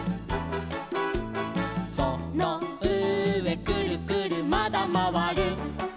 「そのうえくるくるまだまわる」